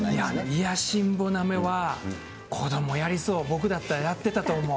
卑しん坊のあめは、子どもやりそう、僕だったらやってたと思う。